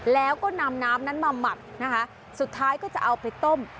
แล้วก็นำน้ำนั้นมาหมักนะคะสุดท้ายก็จะเอาไปต้ม